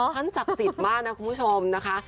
ท่านศักดิ์สิทธิ์มากนะคุณผู้ชมนะคะ